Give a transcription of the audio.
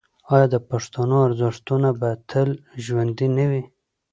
آیا د پښتنو ارزښتونه به تل ژوندي نه وي؟